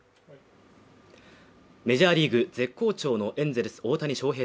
メジャーリーグ絶好調のエンゼルス大谷翔平